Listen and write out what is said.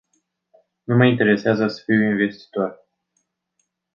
Nu mă interesează să fiu investitor.